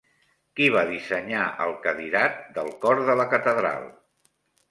Qui va dissenyar el cadirat del cor de la catedral?